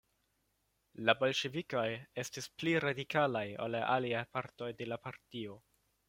La bolŝevikoj estis pli radikalaj ol la aliaj partoj de la partio.